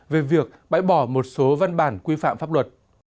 về việc bãi bỏ một số văn bản quy phạm pháp luật